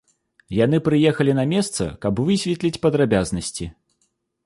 Яны прыехалі на месца, каб высветліць падрабязнасці.